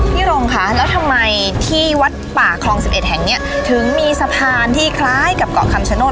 โรงค่ะแล้วทำไมที่วัดป่าคลอง๑๑แห่งนี้ถึงมีสะพานที่คล้ายกับเกาะคำชโนธ